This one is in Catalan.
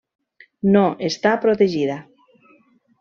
No està protegida.